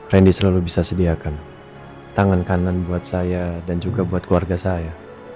randy selalu bisa sediakan tangan kanan buat saya dan juga buat keluarga saya